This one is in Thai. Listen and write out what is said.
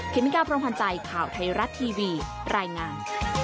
เมกาพรมพันธ์ใจข่าวไทยรัฐทีวีรายงาน